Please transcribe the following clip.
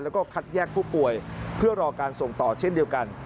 แล้วก็คัดแยกผู้ป่วยเพื่อรอการส่งต่อเช่นเดียวกัน